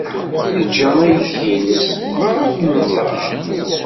Yeǧǧa aydi-nnes beṛṛa, i unẓar.